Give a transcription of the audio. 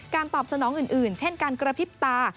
ตอบสนองอื่นเช่นการกระพริบตา